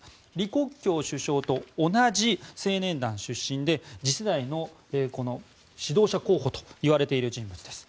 李克強首相と同じ青年団出身で次世代の指導者候補といわれている人物です。